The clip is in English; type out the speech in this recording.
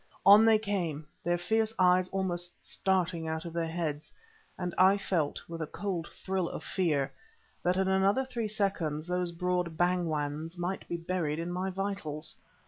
On they came, their fierce eyes almost starting out of their heads, and I felt, with a cold thrill of fear, that in another three seconds those broad "bangwans" might be buried in my vitals.